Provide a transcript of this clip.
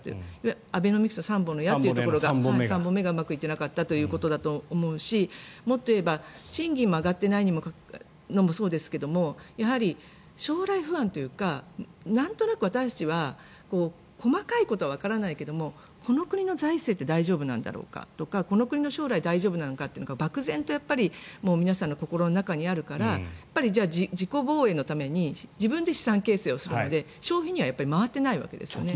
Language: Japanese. アベノミクス３本の矢というところの３本目がうまくいっていなかったということだと思うしもっと言えば賃金も上がってないのもそうですが将来不安というかなんとなく私たちは細かいことはわからないけどこの国の財政って大丈夫なんだろうかとかこの国の将来、大丈夫なのかとばくぜんと皆さんの心の中にあるから自己防衛のために自分で資産形成をするので消費には回っていないわけですよね。